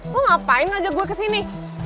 lo ngapain ngajak gue ke sini